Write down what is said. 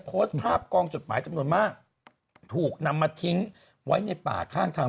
โพสต์ภาพกองจดหมายจำนวนมากถูกนำมาทิ้งไว้ในป่าข้างทาง